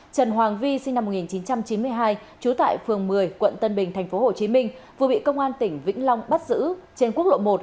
trần hoàng vi sinh năm một nghìn chín trăm chín mươi hai trú tại phường một mươi quận tân bình tp hcm vừa bị công an tỉnh vĩnh long bắt giữ trên quốc lộ một